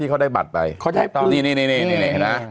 ที่เขาได้บัตรไปเขาได้นี่นี่นี่นี่นี่นี่นะ